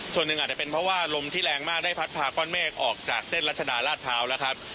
ส่วนหนึ่งอาจจะเป็นเพราะว่าลมที่แรงมากได้พัดพาก้อนเมฆออกจากเส้นรัชดาราชพร้าวแล้วครับ